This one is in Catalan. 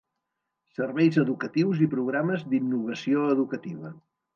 Serveis educatius i programes d'innovació educativa.